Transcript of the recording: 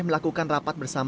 melakukan rapat bersama sama